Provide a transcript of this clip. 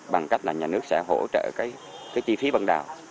bằng cách nhà nước sẽ hỗ trợ chi phí bằng đào